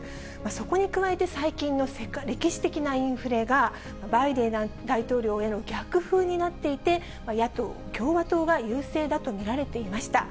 そこに加えて、最近の歴史的なインフレが、バイデン大統領への逆風になっていて、野党・共和党が優勢だと見られていました。